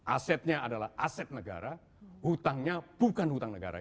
asetnya adalah aset negara hutangnya bukan hutang negara